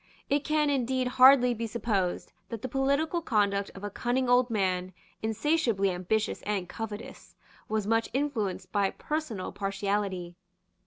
It can indeed hardly be supposed that the political conduct of a cunning old man, insatiably ambitious and covetous, was much influenced by personal partiality.